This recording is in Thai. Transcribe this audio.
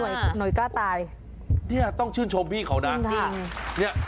นี่อะไรหน่วยกล้าตายเนี้ยต้องชื่นชมพี่เขาน่ะจริงค่ะเนี้ย